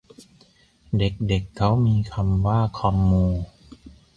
เด็กเด็กเค้ามีคำว่าคอมมู